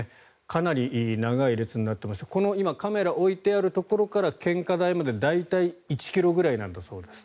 かなり長い列になっていますが今、このカメラが置いてあるところから献花台まで、大体１ｋｍぐらいなんだそうです。